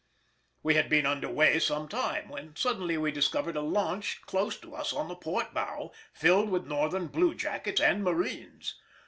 We had been under weigh some time, when suddenly we discovered a launch close to us on the port bow filled with Northern blue jackets and marines.